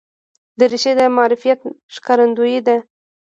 دریشي د معرفت ښکارندوی ده.